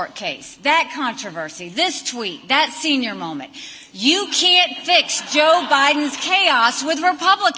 kekosongan ini kontroversi itu tweet ini saat senior itu anda tidak bisa menyelesaikan kekosongan joe biden dengan kekosongan republik